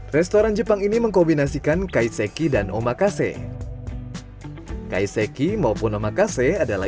restoran jepang ini mengkombinasikan kaiseki dan omakase kaiseki maupun omakase adalah